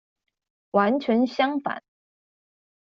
完全相反！